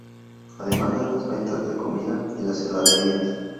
Además de las ventas de comida y las heladerías.